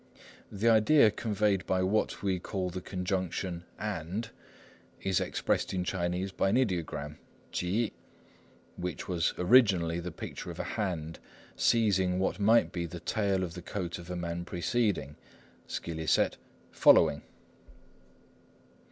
The idea conveyed by what we call the conjunction "and" is expressed in Chinese by an ideogram, viz. 及, which was originally the picture of a hand, seizing what might be the tail of the coat of a man preceding, scilicet following.